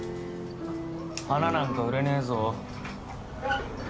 花なんか売れねえぞ